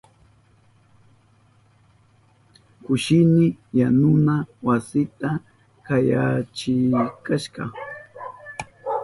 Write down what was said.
Kushni yanuna wasita yanayachishka.